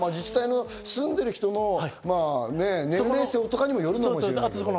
住んでる人の年齢層とかにもよるかもしれないけど。